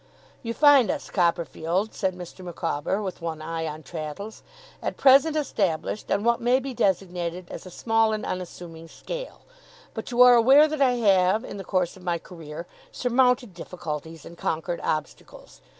'You find us, Copperfield,' said Mr. Micawber, with one eye on Traddles, 'at present established, on what may be designated as a small and unassuming scale; but, you are aware that I have, in the course of my career, surmounted difficulties, and conquered obstacles.